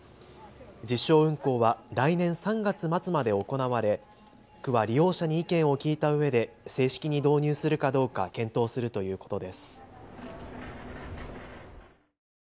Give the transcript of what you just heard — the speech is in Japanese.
実証運行は来年３月末まで行われ区は利用者に意見を聞いたうえで正式に導入するかどうか検討するということです。